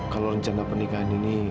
kalau rencana pernikahan ini